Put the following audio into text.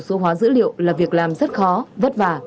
số hóa dữ liệu là việc làm rất khó vất vả